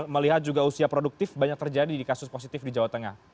melihat juga usia produktif banyak terjadi di kasus positif di jawa tengah